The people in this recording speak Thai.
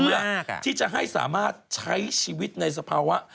เพื่อที่จะให้สามารถใช้ชีวิตในสภาวะ